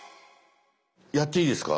やっていいですか？